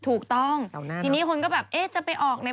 ถูกต้องทีนี้คนก็แบบเอ๊ะจะไปออกใน